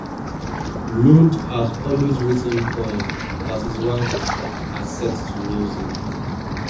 Lund has also written poems that his wife has set to music.